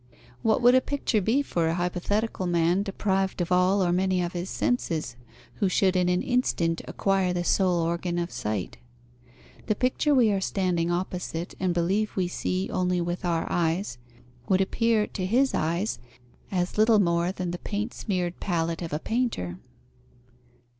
What would a picture be for a hypothetical man, deprived of all or many of his senses, who should in an instant acquire the sole organ of sight? The picture we are standing opposite and believe we see only with our eyes, would appear to his eyes as little more than the paint smeared palette of a painter.